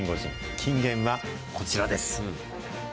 金言はこちらです。